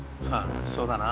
そうだな。